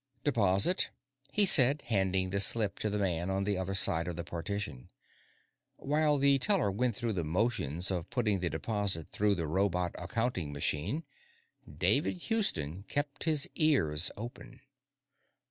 "Deposit," he said, handing the slip to the man on the other side of the partition. While the teller went through the motions of putting the deposit through the robot accounting machine, David Houston kept his ears open.